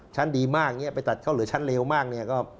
ชั้นดีมากเนี่ยไปตัดเขาเหลือชั้นเลวมากเนี่ย